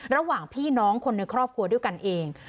ระหว่างพี่น้องคนในครอบครัวด้วยกันเอง